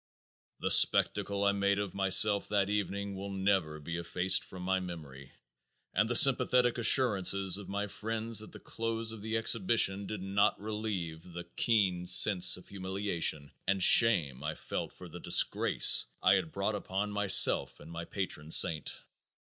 The spectacle I made of myself that evening will never be effaced from my memory, and the sympathetic assurances of my friends at the close of the exhibition did not relieve the keen sense of humiliation and shame I felt for the disgrace I had brought upon myself and my patron saint.